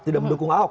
tidak mendukung ahok